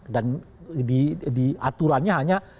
dan diaturannya hanya